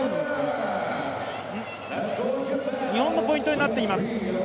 日本のポイントになっています。